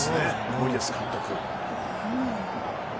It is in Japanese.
森保監督。